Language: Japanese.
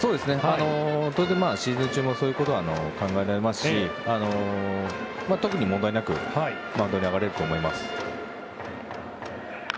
当然、シーズン中もそういうことは考えられますし特に問題なくマウンドに上がれると思います。